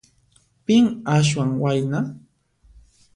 Pin aswan wayna?